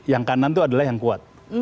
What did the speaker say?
yang kanan itu adalah yang kuat